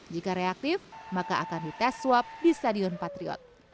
jika reaktif maka akan dites swab di stadion patriot